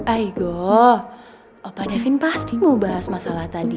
aigo opa devin pasti mau bahas masalah tadi